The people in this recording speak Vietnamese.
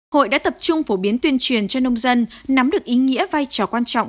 hội đã tập trung phổ biến tuyên truyền cho nông dân nắm được ý nghĩa vai trò quan trọng